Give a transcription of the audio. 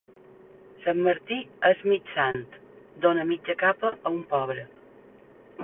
Sant Martí és mig sant, donà mitja capa a un pobre.